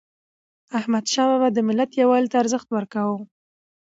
احمدشاه بابا د ملت یووالي ته ارزښت ورکاوه.